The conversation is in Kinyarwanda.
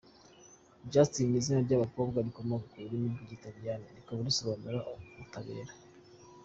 Justine ni izina ry’abakobwa rikomoka ku rurimi rw’Ikilatini rikaba risobanura “utabera”.